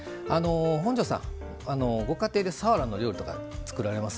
本上さんご家庭でさわらの料理とか作られます？